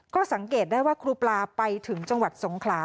ก็สังเกตได้ว่าครูปลาไปถึงจังหวัดสงขลา